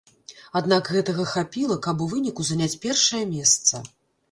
Аднак гэтага хапіла, каб у выніку заняць першае месца.